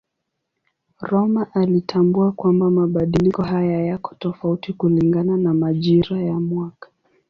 Rømer alitambua kwamba mabadiliko haya yako tofauti kulingana na majira ya mwaka.